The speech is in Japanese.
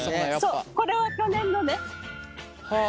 そうこれは去年のね。